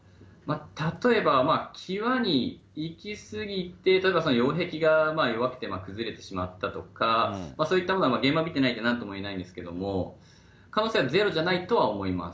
例えば際に行き過ぎて、例えば擁壁が弱って崩れてしまったとか、そういったものは現場見てないんで、なんともいえないんですけれども、可能性はゼロじゃないとは思います。